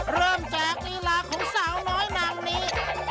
เริ่มจากลีลาของสาวน้อยนางนี้